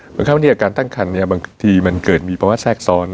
เหมือนครับวันนี้อาการตั้งครรภ์เนี่ยบางทีมันเกิดมีประวัติแทรกซ้อน